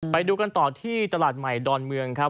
ไปดูกันต่อที่ตลาดใหม่ดอนเมืองครับ